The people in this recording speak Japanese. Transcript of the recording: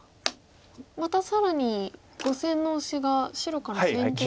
また更に５線のオシが白から先手なんですね。